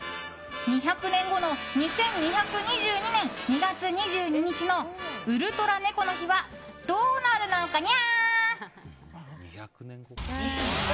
２００年後の２２２２年２月２２日のウルトラ猫の日はどうなるのかニャ？